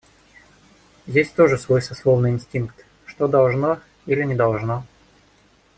Есть тоже свой сословный инстинкт, что должно или не должно.